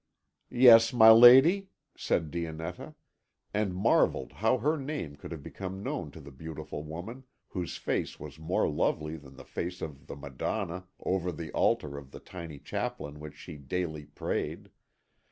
"Yes, my lady," said Dionetta, and marvelled how her name could have become known to the beautiful woman, whose face was more lovely than the face of the Madonna over the altar of the tiny chapel in which she daily prayed.